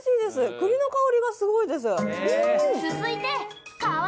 くりの香りがすごいです。